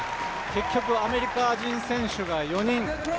結局、アメリカ人選手が４人。